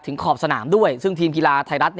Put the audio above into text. ขอบสนามด้วยซึ่งทีมกีฬาไทยรัฐ